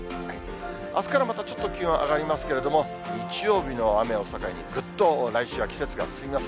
あすからまたちょっと気温上がりますけれども、日曜日の雨を境に、ぐっと来週は季節が進みます。